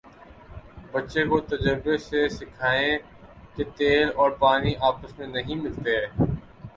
بچے کو تجربے سے سکھائیں کہ تیل اور پانی آپس میں نہیں ملتے